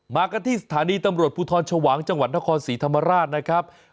มากันที่สถานีตำรวจภูทรชวางจังหวัดนครศรีธรรมราชนะครับ